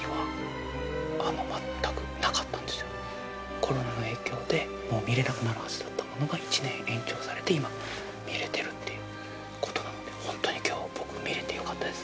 コロナの影響でもう見れなくなるはずだったものが１年延長されて、今、見れてるということなので、ほんとにきょう、僕、見れてよかったです。